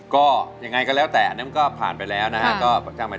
ก็ยังไงก็แล้วแต่มันก็ผ่านไปแล้วซ่างไป